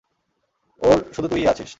ওর শুধু তুইই আছিস।